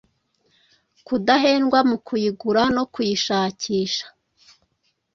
kudahendwa mu kuyigura no kuyishakisha